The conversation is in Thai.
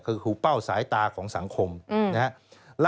คือหูเป้าสายตาของสังคมนะครับ